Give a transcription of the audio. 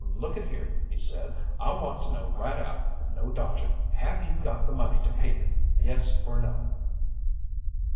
"Look at here," he said, "I want to know right out, and no dodging. Have you got the money to pay me yes or no?"